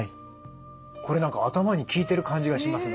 これ何か頭に効いてる感じがします